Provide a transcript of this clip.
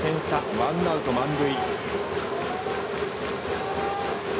ワンアウト、満塁。